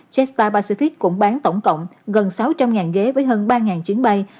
jetstar pacific cũng bán tổng cộng gần sáu trăm linh ghế với hơn ba chuyến bay